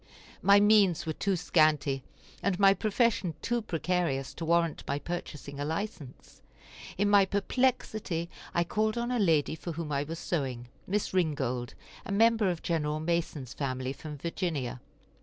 My means were too scanty, and my profession too precarious to warrant my purchasing [a] license. In my perplexity I called on a lady for whom I was sewing, Miss Ringold, a member of Gen. Mason's family, from Virginia.